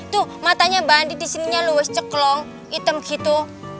tuh matanya mbak andin disininya luwes ceklong hitam gitu